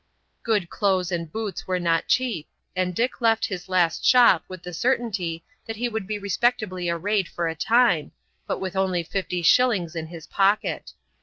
Good clothes and boots are not cheap, and Dick left his last shop with the certainty that he would be respectably arrayed for a time, but with only fifty shillings in his pocket.